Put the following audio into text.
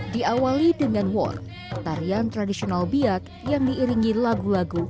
di awali dengan war tarian tradisional biak yang diiringi lagu lagu